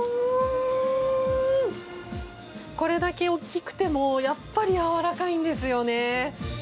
これだけ大きくてもやっぱりやわらかいんですよ。